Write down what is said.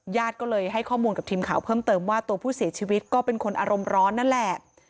ญาติก็เลยให้ข้อมูลกับทีมข่าวเพิ่มเติมว่าตัวผู้เสียชีวิตก็เป็นคนอารมณ์ร้อนนั่นแหละ